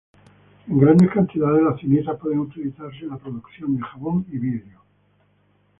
En grandes cantidades, las cenizas pueden utilizarse en la producción de jabón y vidrio.